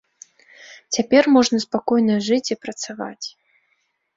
Цяпер можна спакойна жыць і працаваць.